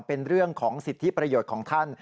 เป็นเรื่องของสิทธิประโยชน์ของท่าน